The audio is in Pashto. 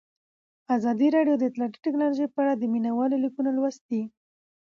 ازادي راډیو د اطلاعاتی تکنالوژي په اړه د مینه والو لیکونه لوستي.